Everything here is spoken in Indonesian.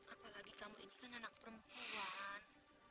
apalagi kamu ini kan anak perempuan